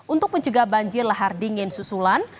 untuk mencegah banjir lahar dingin susulan